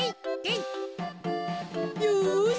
よし！